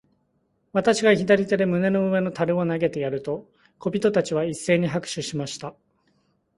私が左手で胸の上の樽を投げてやると、小人たちは一せいに拍手しました。